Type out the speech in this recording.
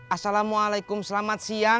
assalamualaikum selamat siang